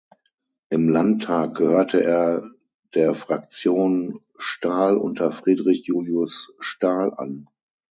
Im Landtag gehörte er der Fraktion Stahl unter Friedrich Julius Stahl an.